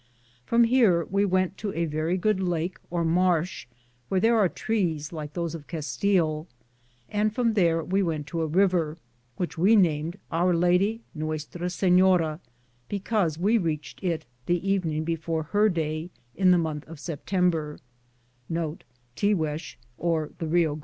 From here we went to a very good lake or marsh, where there are trees like those of Castile, and from there we went to a river, which we named Our Lady (Nuestra Sefiora), because we reached it the evening before her day in the month of September.'